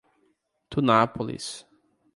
Tunápolis